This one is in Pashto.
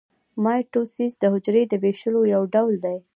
مایټوسیس د حجرې د ویشلو یو ډول دی